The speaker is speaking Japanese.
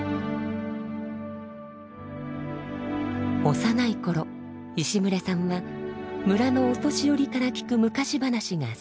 幼い頃石牟礼さんは村のお年寄りから聞く昔話が好きでした。